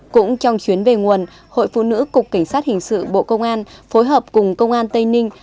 cũng trong chuyến về nguồn hội phụ nữ cục cảnh sát hình sự bộ công an phối hợp cùng công an tây ninh